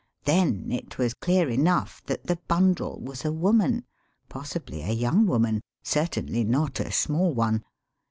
Then it was clear enough that the bundle was a woman — possibly a young woman, certainly not a small one.